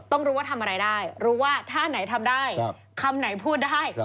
ต้องรู้ว่าทำอะไรได้รู้ว่าท่าไหนทำได้คำไหนพูดได้